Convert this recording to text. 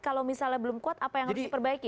kalau misalnya belum kuat apa yang harus diperbaiki